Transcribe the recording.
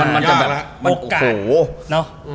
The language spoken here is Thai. มันจะแบบโอ้โห